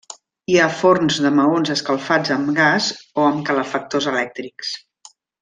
Hi ha forns de maons escalfats amb gas o amb calefactors elèctrics.